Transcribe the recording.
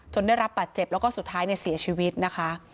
ได้รับบาดเจ็บแล้วก็สุดท้ายเสียชีวิตนะคะ